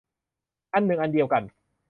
อันหนึ่งอันเดียวกัน